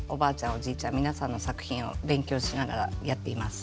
おじいちゃん皆さんの作品を勉強しながらやっています。